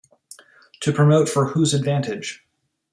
To promote For Whose Advantage?